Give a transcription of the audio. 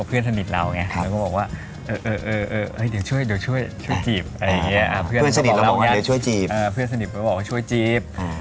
เพื่อนสนิทเราว่าเราช่วยจีบ